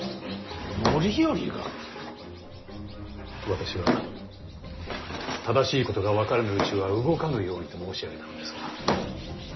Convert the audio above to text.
私は正しいことが分からぬうちは動かぬようにと申し上げたのですが。